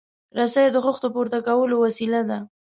رسۍ د خښتو پورته کولو وسیله ده.